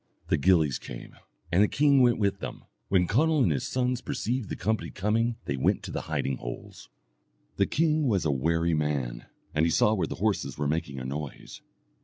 The gillies came, and the king went with them. When Conall and his sons perceived the company coming they went to the hiding holes. The king was a wary man, and he saw where the horses were making a noise.